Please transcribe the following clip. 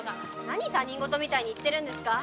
何他人事みたいに言ってるんですか。